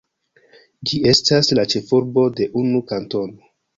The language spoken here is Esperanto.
Ĝi estas la ĉefurbo de unu kantono.